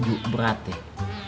duk berat deh